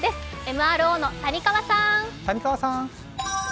ＭＲＯの谷川さーん。